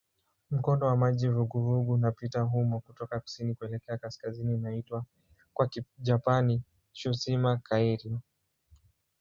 Mkondo wa maji vuguvugu unapita humo kutoka kusini kuelekea kaskazini unaoitwa kwa Kijapani "Tsushima-kairyū".